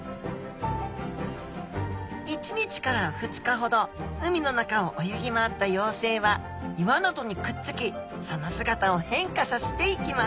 １日から２日ほど海の中を泳ぎ回った幼生は岩などにくっつきその姿を変化させていきます。